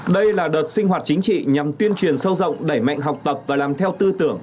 đây là đợt sinh hoạt chính trị nhằm tuyên truyền sâu rộng đẩy mạnh học tập và làm theo tư tưởng